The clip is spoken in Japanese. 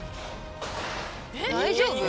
大丈夫？